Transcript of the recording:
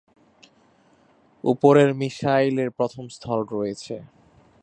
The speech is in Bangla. উপরে মিশাইলের প্রথম স্থল রয়েছে।